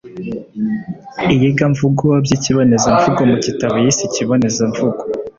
iyigamvugo by’ikibonezamvugo mu gitabo yise Ikibonezamvugo